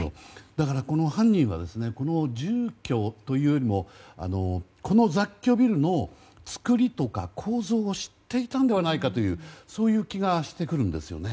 だから、犯人はこの住居というよりもこの雑居ビルのつくりとか構造を知っていたのではないかという気がしてくるんです。